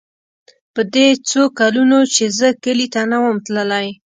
په دې څو کلونو چې زه کلي ته نه وم تللى.